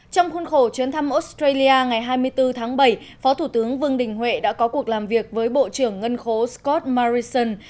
trong khuôn khổ chuyến thăm australia ngày hai mươi bốn tháng bảy phó thủ tướng vương đình huệ đã có cuộc làm việc với bộ trưởng ngân khố scott morrison